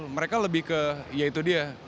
mereka lebih ke ya itu dia